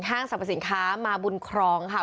สรรพสินค้ามาบุญครองค่ะ